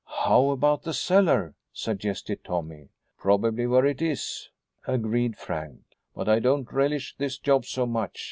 "How about the cellar?" suggested Tommy. "Probably where it is," agreed Frank, "but I don't relish this job so much.